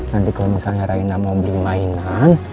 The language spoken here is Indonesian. nanti kalau misalnya raina mau beli mainan